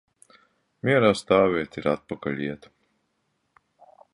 Mierā stāvēt ir atpakaļ iet.